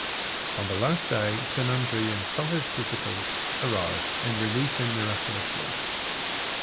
On the last day, St. Andrew and some of his disciples arrive and release him miraculously.